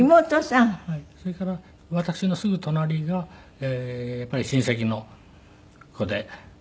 それから私のすぐ隣が親戚の子で。